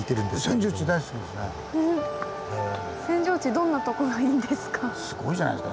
どんなとこがいいんですか？